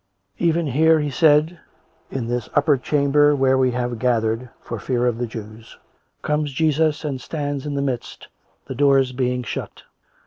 " Even here," he said, " in this upper chamber, where we are gathered for fear of the Jews, comes Jesus and stands in the midst, the doors being shut.